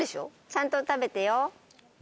ちゃんと食べてよ。